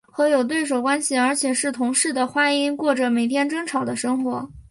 和有对手关系而且是同室的花音过着每天争吵的生活。